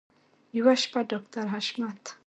یوه شپه ډاکټر حشمت